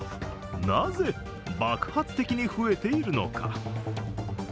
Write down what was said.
なぜ、爆発的に増えているのか。